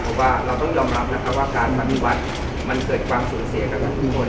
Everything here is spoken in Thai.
เพราะว่าเราต้องยอมรับนะคะว่าการปฏิวัติมันเกิดความสูญเสียกันทุกคน